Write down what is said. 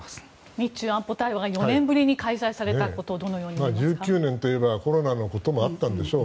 日中安保対話が４年ぶりに開催されたことを１９年といえばコロナのこともあったんでしょう